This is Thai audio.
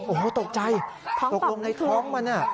โอ้โหตกใจตกลงในท้องมัน